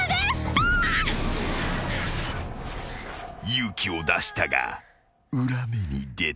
［勇気を出したが裏目に出た］